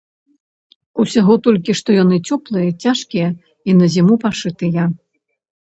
Усяго толькі, што яны цёплыя, цяжкія, як на зіму пашытыя.